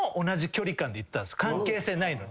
関係性ないのに。